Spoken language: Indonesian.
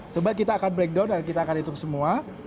sebab kita akan breakdown dan kita akan hitung semua